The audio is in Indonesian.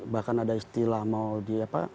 bahkan ada istilah mau di apa